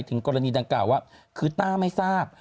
ถึงกรณีดังกล่าวว่าคือต้าไม่ทราบ